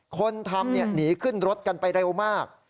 คนทำหนีขึ้นรถกันไปเร็วมาก